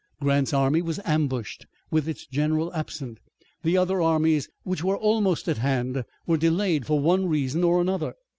Grant's army was ambushed with its general absent. The other armies which were almost at hand were delayed for one reason or another.